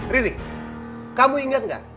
riri kamu ingat gak